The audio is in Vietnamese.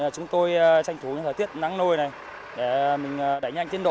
chúng tôi tranh thủ những thời tiết nắng nôi này để mình đẩy nhanh tiến độ